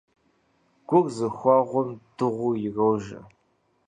Гур зыхуэгъум дыгъур ирожэ.